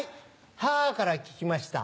母から聞きました。